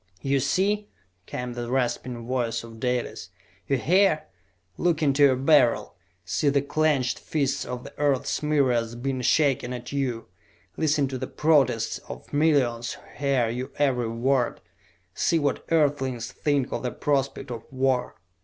"You see?" came the rasping voice of Dalis. "You hear? Look into your Beryl! See the clenched fists of the earth's myriads being shaken at you! Listen to the protests of the millions who hear your every word! See what Earthlings think of the prospect of war!"